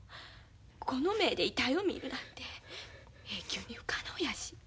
この目で遺体を見るなんて永久に不可能やし。